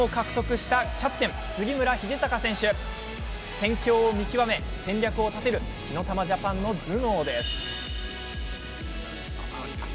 戦況を見極め、戦略を立てる火ノ玉ジャパンの頭脳です。